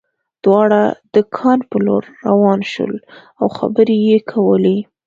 دواړه د کان په لور روان شول او خبرې یې کولې